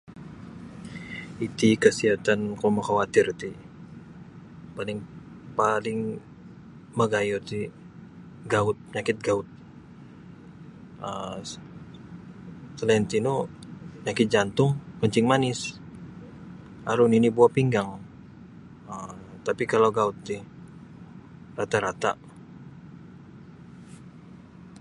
Iti kasiatan kuo makawatir ti paling paling magayuh ti gaut panyakit gaut um salain tino panyakit jantung kencing manis aru nini buah pinggang um tapi kalau gaut ti rata-rata.